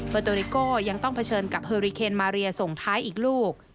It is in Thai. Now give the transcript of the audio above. โตริโก้ยังต้องเผชิญกับเฮอริเคนมาเรียส่งท้ายอีกลูก